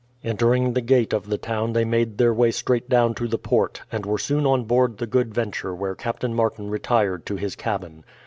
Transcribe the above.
Entering the gate of the town they made their way straight down to the port, and were soon on board the Good Venture where Captain Martin retired to his cabin.